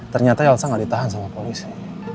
ternyata elsa tidak ditahan sama polisi